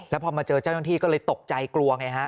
แล้วพอมาเจอเจ้าหน้าที่ก็เลยตกใจกลัวไงฮะ